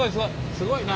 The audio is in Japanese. すごいな。